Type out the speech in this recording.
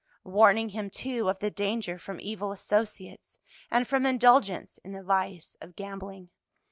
Warning him, too, of the danger from evil associates and from indulgence in the vice of gambling.